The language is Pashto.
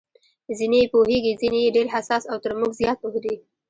ځینې یې پوهېږي، ځینې یې ډېر حساس او تر موږ زیات پوه دي.